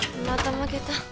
また負けた。